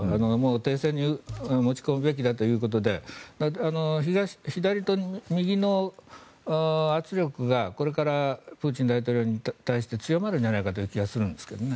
停戦に持ち込むべきだということで左と右の圧力がこれからプーチン大統領に対して強まるんじゃないかという気がするんですけどね。